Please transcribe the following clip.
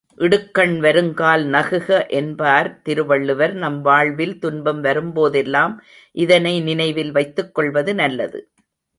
இடுக்கண் வருங்கால் நகுக என்பார் திருவள்ளுவர் நம் வாழ்வில் துன்பம் வரும்போதெல்லாம் இதனை நினைவில் வைத்துக்கொள்வது நல்லது.